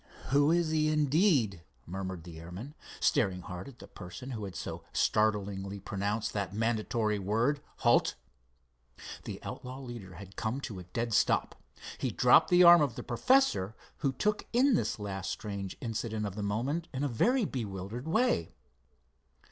"Who is he, indeed?" murmured the airman, staring hard at the person who had so startlingly pronounced that mandatory word—"Halt!" The outlaw leader had come to a dead stop. He dropped the arm of the professor, who took in this last strange incident of the moment in a very bewildered way.